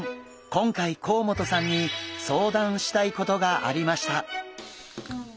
今回甲本さんに相談したいことがありました。